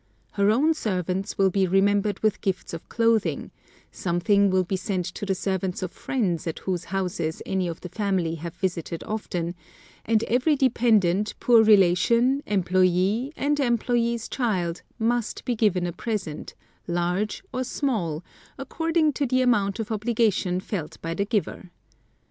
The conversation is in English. Her own servants will be remembered with gifts of clothing, something will be sent to the servants of friends at whose houses any of the family have visited often, and every dependent, poor relation, employee, and employee's child must be given a present, large or small, according to the amount of obligation felt by the giver.